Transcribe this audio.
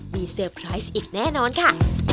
มีเซอร์ไพรส์อีกแน่นอนค่ะ